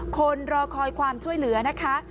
คนรอคอยความช่วยเหลือนะคะ